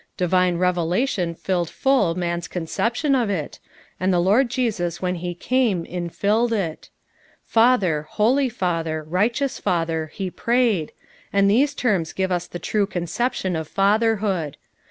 Divine revelation filled full man's con ception of it, and the Lord Jesus when he came in filled it 'Father' 'Holy Father' 'Kighteous Father' he prayed, and these terms give us the true conception of Fatherhood.